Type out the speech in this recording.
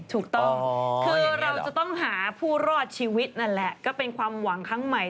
ถูกต้องคือเราจะต้องหาผู้รอดชีวิตนั่นแหละก็เป็นความหวังครั้งใหม่